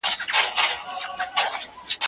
د کورنیو توکو بیې تل تر بهرنیو هغو خورا ټیټې دي.